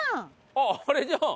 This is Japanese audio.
あっあれじゃん。